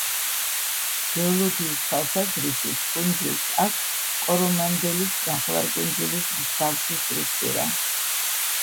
გეოლოგიის თვალსაზრისით კუნძულს აქვს კორომანდელის ნახევარკუნძულის მსგავსი სტრუქტურა.